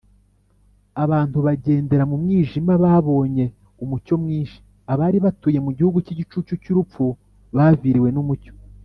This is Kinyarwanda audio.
.” “Abantu bagendera mu mwijima babonye umucyo mwinshi, abari batuye mu gihugu cy’igicucu cy’urupfu baviriwe n’umucyo